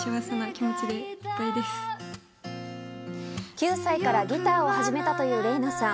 ９歳からギターを始めたという麗奈さん。